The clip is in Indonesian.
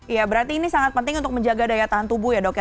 ya berarti ini sangat penting untuk menjaga daya tahan tubuh ya dok ya